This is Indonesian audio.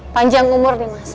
panjang umur nih mas